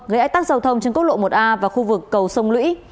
gây ách tắc giao thông trên quốc lộ một a và khu vực cầu sông lũy